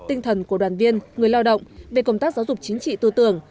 tinh thần của đoàn viên người lao động về công tác giáo dục chính trị tư tưởng